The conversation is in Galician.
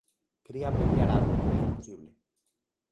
Quería abreviar algo pero é imposible.